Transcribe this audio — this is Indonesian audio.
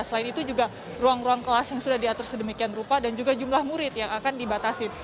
selain itu juga ruang ruang kelas yang sudah diatur sedemikian rupa dan juga jumlah murid yang akan dibatasi